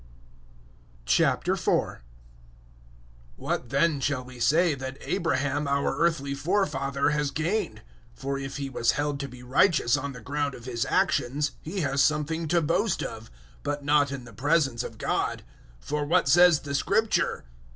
004:001 What then shall we say that Abraham, our earthly forefather, has gained? 004:002 For if he was held to be righteous on the ground of his actions, he has something to boast of; but not in the presence of God. 004:003 For what says the Scripture?